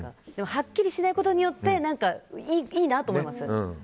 はっきりしないことによっていいなと思います。